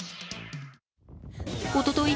おととい